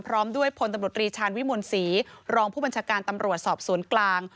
พร้อมด้วยพลตำรวจรีชาญวิมลศรีรองผู้บัญชาการตำรวจสอบสวนกลาง